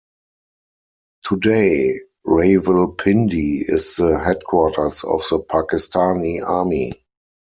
Today Rawalpindi is the headquarters of the Pakistani Army.